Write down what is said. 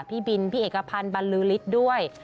พี่บินพี่เอกพันธ์บรรลือฤทธิ์ด้วย